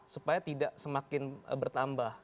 supaya tidak semakin bertambah